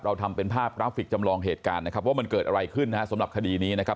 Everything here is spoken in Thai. ทำเป็นภาพกราฟิกจำลองเหตุการณ์นะครับว่ามันเกิดอะไรขึ้นนะฮะสำหรับคดีนี้นะครับ